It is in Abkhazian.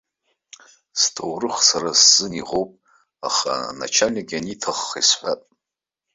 Сҭоурых сара сзы иӷоуп, аха, аначальник ианиҭахха исҳәап.